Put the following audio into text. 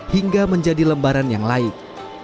hingga menjadi lembaran yang laik